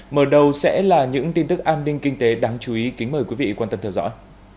mở đầu sẽ là những tin tức an ninh kinh tế đáng chú ý kính mời quý vị quan tâm theo dõi